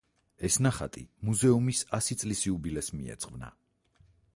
ეს ნახატი მუზეუმის ასი წლის იუბილეს მიეძღვნა.